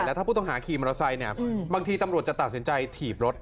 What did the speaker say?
ถ้าผู้ต้องหาขี่มอเตอร์ไซค์เนี่ยบางทีตำรวจจะตัดสินใจถีบรถ